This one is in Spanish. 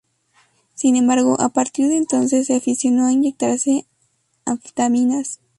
Sin embargo, a partir de entonces, se aficionó a inyectarse anfetaminas.